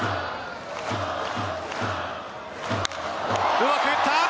うまく打った！